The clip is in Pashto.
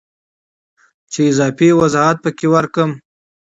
چې اضافي وضاحت پکې ورکړم